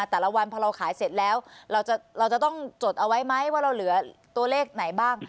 แต่ละวันพอเราขายเสร็จแล้วเราจะต้องจดเอาไว้ไหมว่าเราเหลือตัวเลขไหนบ้าง